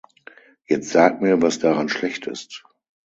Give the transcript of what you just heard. Jetzt sag mir, was daran schlecht ist!